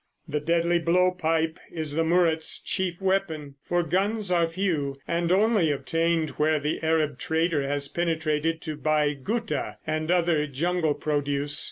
The deadly blow pipe is the Murut's chief weapon, for guns are few and only obtained where the Arab trader has penetrated to buy "gutta" and other jungle produce.